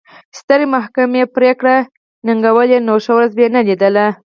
سترې محکمې پرېکړې ننګولې نو ښه ورځ به یې نه لیدله.